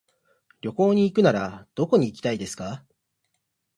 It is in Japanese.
旅行に行くならどこに行きたいですか。